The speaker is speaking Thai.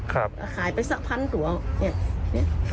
ขายไป๑๐๐๐ตัวเนี่ย